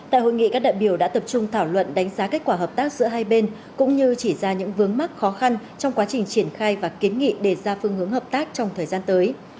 tại hội nghị các đại biểu đã tập trung thảo luận đánh giá kết quả hợp tác giữa hai bên cũng như chỉ ra những vướng mắc khó khăn trong quá trình triển khai và kiến nghị đề ra phương hướng hợp tác trong thời gian tới